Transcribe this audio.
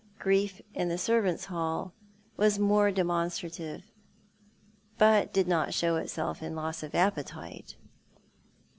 Grief in the servants' hall was more demonstrative, but did not show itself in loss of appetite.